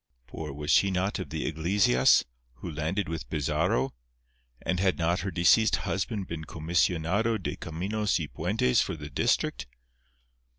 For, was she not of the Iglesias, who landed with Pizarro? And had not her deceased husband been comisionado de caminos y puentes for the district?